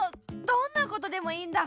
どんなことでもいいんだ。